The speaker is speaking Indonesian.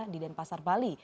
di dempasar bali